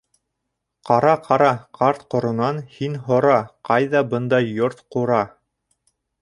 — Ҡара-ҡара, ҡарт-ҡоронан һин һора, ҡайҙа бындай йорт-ҡура?